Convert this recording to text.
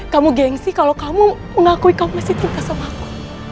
kamu gengsi kalau kamu mengakui kamu masih cinta sama aku